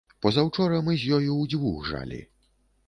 Пазаўчора мы з ёю ўдзвюх жалі.